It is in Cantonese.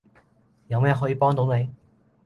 有咩可以幫到你?